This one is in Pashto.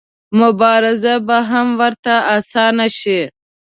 مبارزه به هم ورته اسانه شي.